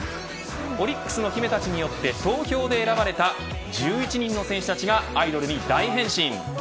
オリックスの姫たちによって投票で選ばれた１１人の選手たちがアイドルに大変身。